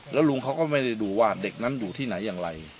แล้วลุงเขาก็ไม่ได้ดูว่าเด็กนั้นอยู่ที่ไหนอย่างไร